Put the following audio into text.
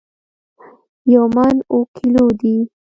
یو من اوو کیلو دي